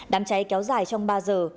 đám cháy kéo dài trong ba giờ